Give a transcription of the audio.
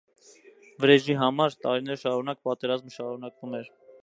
Վրեժի համար՝ տարիներ շարունակ պատերազմը շարունակվում էր։